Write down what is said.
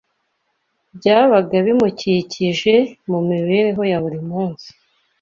byabaga bimukikije mu mibereho ya buri munsi.